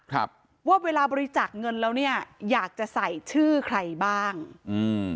ครับว่าเวลาบริจาคเงินแล้วเนี้ยอยากจะใส่ชื่อใครบ้างอืม